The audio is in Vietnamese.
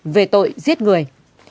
về tội giết người